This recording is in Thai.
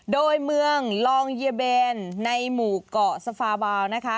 โดยเมืองลองเยเบนในหมู่เกาะสฟาบาวนะคะ